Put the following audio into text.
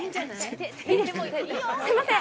すみません。